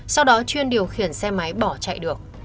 sau đó chuyên điều khiển xe máy bỏ chạy được